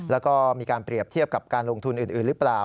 แล้วก็มีการเปรียบเทียบกับการลงทุนอื่นหรือเปล่า